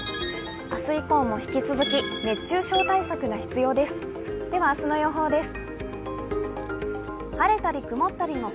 明日以降も引き続き熱中症対策が必要です。